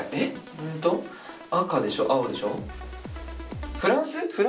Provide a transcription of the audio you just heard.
うんと赤でしょ青でしょ